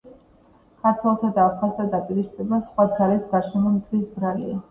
ქართველთა და აფხაზთა დაპირისპირება სხვა ძალის , გარეშე მტრის ბრალია